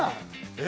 え！？